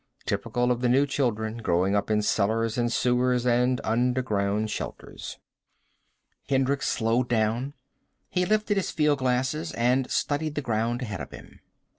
Typical of the new children, growing up in cellars and sewers and underground shelters. Hendricks slowed down. He lifted his fieldglasses and studied the ground ahead of him.